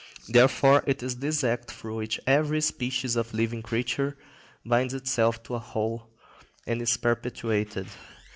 Therefore it is this act through which every species of living creature binds itself to a whole and is perpetuated.